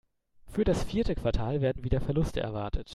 Für das vierte Quartal werden wieder Verluste erwartet.